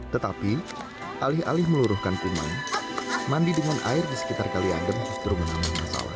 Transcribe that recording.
tetapi alih alih meluruhkan kuman mandi dengan air di sekitar kali adem justru menambah masalah